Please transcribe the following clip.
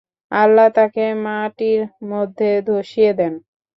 আল্লাহ তাকে মাটির মধ্যে ধসিয়ে দেন।